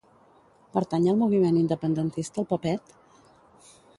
Pertany al moviment independentista el Pepet?